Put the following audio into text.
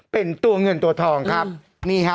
เป็นตัวเงินตัวทองครับนี่ฮะ